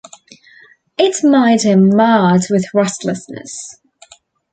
It made him mad with restlessness.